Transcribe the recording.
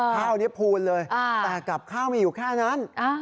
ข้าวนี้พูนเลยแต่กับข้าวมีอยู่แค่นั้น